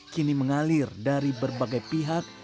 kini mengalir dari berbagai pihak